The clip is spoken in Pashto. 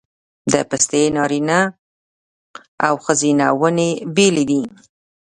د پستې نارینه او ښځینه ونې بیلې دي؟